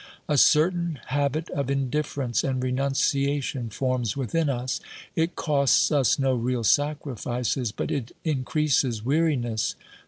A certain habit of indifference and renunciation forms within us ; it costs us no real sacrifices, but it increases weariness.